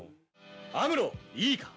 アムロいいか？